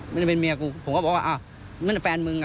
ไม่ได้เป็นเมียกูผมก็บอกว่ามันแฟนมึง